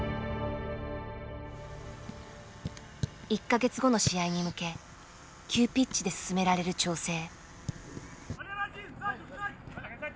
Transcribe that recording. １か月後の試合に向け急ピッチで進められる調整。